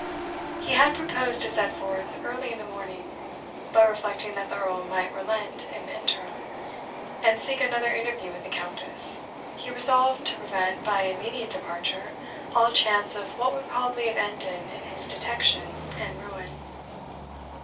He had proposed to set forth early in the morning; but reflecting that the Earl might relent in the interim, and seek another interview with the Countess, he resolved to prevent, by immediate departure, all chance of what would probably have ended in his detection and ruin.